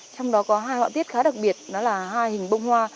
trong đó có hai họa tiết khá đặc biệt đó là hai hình bông hoa